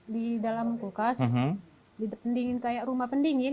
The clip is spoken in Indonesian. di dalam kulkas di pendingin kayak rumah pendingin